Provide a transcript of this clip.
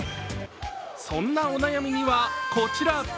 そんなお悩みには、こちら。